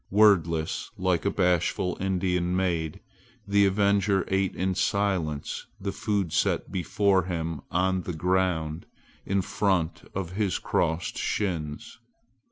Wordless, like a bashful Indian maid, the avenger ate in silence the food set before him on the ground in front of his crossed shins.